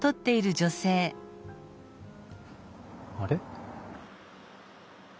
あれ？